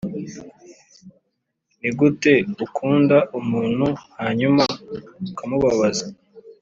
Ni gute ukunda umuntu hanyuma ukamubabaza